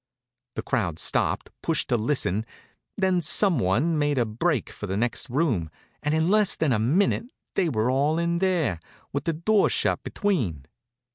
The crowd stopped pushin' to listen, then some one made a break for the next room, and in less than a minute they were all in there, with the door shut between.